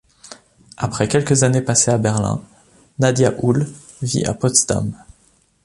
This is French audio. Après quelques années passées à Berlin Nadja Uhl vit à Potsdam.